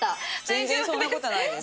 全然そんなことないです。